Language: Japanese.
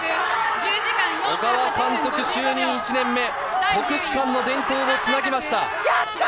小川監督就任１年目、国士舘の伝統をつなぎました。